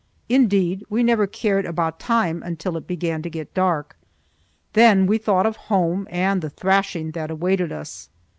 Indeed, we never cared about time until it began to get dark. Then we thought of home and the thrashing that awaited us.